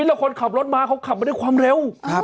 อีละคนขับรถมาเขาขับมา๑๙๗๔สำคัญ